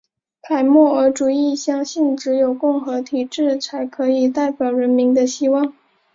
凯末尔主义相信只有共和体制才可以代表人民的希望。